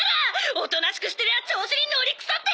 おとなしくしてりゃ調子にのりくさって！